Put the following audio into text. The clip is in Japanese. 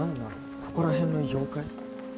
ここら辺の妖怪？